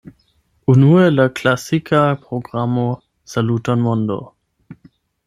Unue, la klasika programo "Saluton, mondo!